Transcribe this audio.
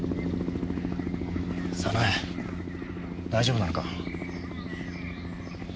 早苗大丈夫なのか？